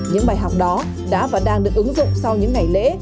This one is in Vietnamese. những bài học đó đã và đang được ứng dụng sau những ngày lễ